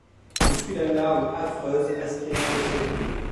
Je suis la larve affreuse aspirant au ciel bleu ;